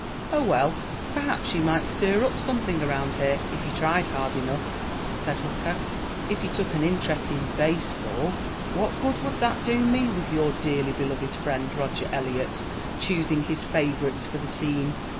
"Oh, well, perhaps you might stir up something around here, if you tried hard enough," said Hooker. "If you took an interest in baseball " "What good would that do me, with your dearly beloved friend, Roger Eliot, choosing his favorites for the team?